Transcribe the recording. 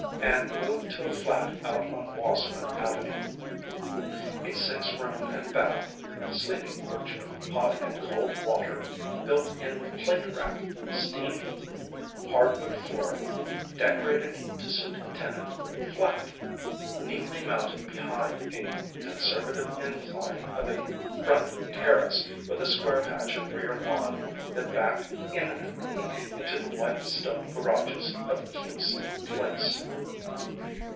and moved to a flat out on Wasserman Avenue a six room and bath, sleeping porch, hot and cold water, built in plate rack, steam heat, hardwood floor, decorated to suit tenant flat neatly mounted behind a conservative incline of a front terrace, with a square patch of rear lawn that backed imminently into the white stone garages of Kingston Place.